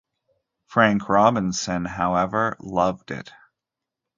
Frank Robinson, however, loved it.